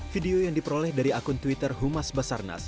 video yang diperoleh dari akun twitter humas basarnas